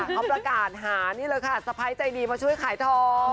เขาประกาศหานี่เลยค่ะสะพ้ายใจดีมาช่วยขายทอง